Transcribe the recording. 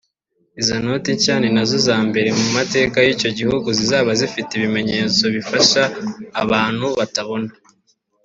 Izo noti nshya ni nazo za mbere mu mateka y’icyo gihugu zizaba zifite ibimenyetso bifasha abantu batabona